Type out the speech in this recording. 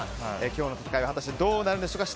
今日の戦いは果たしてどうなるんでしょうか。